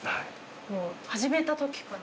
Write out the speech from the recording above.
もう始めた時から。